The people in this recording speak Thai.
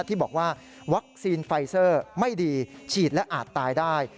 ที่บอกว่าวัคซีนไฟเซอร์ไม่ดีฉีดและอาจตายได้